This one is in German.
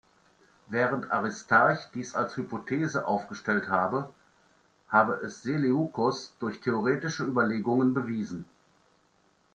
Während Aristarch dies als Hypothese aufgestellt habe, habe es Seleukos durch theoretische Überlegungen bewiesen.